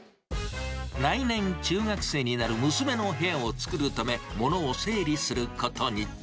来年、中学生になる娘の部屋を作るため、物を整理することに。